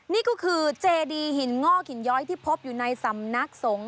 นี่ก็คือเจดีหินงอกหินย้อยที่พบอยู่ในสำนักสงฆ